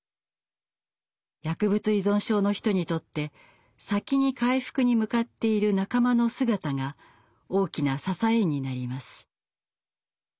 薬物依存症の人にとって先に回復に向かっている仲間の姿が大きな支えになります。